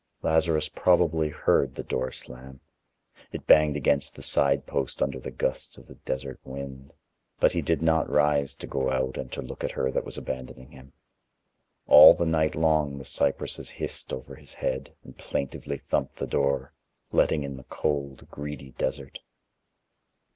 Lazarus probably heard the door slam; it banged against the side post under the gusts of the desert wind, but he did not rise to go out and to look at her that was abandoning him. All the night long the cypresses hissed over his head and plaintively thumped the door, letting in the cold, greedy desert.